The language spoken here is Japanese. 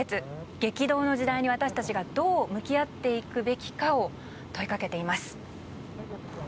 激動の時代に私たちがどう向き合っていくべきかを問い掛けています。